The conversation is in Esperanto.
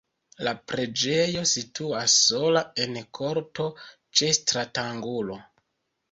La preĝejo situas sola en korto ĉe stratangulo.